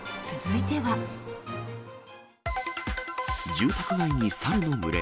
住宅街にサルの群れ。